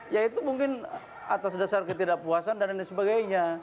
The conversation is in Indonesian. ya itu mungkin atas dasar ketidakpuasan dan lain sebagainya